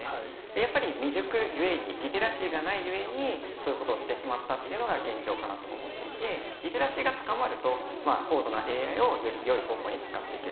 やっぱり未熟ゆえに、リテラシーがないゆえにそういうことをしてしまったというのが現状かなと思っていて、リテラシーが高まると、高度なＡＩをよりよい方向に使っていける。